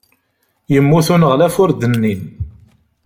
Yemmut uneɣlaf ur d-nnin.